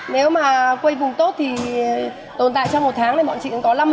nếu mà quây vùng tốt thì tồn tại trong một tháng thì bọn chị cũng có năm mươi